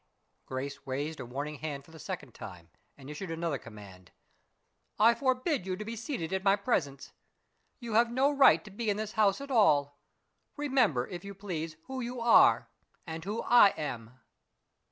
Grace raised a warning hand for the second time, and issued another command: "I forbid you to be seated in my presence. You have no right to be in this house at all. Remember, if you please, who you are, and who I am."